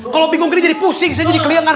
kalau bingung gini jadi pusing saya jadi keliangan